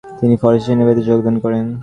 তিনি ফরাসি সেনাবাহিনীতে যোগদান করেন।